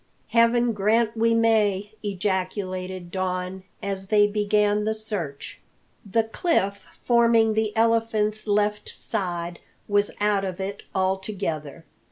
"Heaven grant we may!" ejaculated Don, as they began the search. The cliff forming the Elephant's left side was out of it altogether.